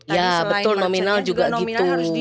ya betul nominal juga gitu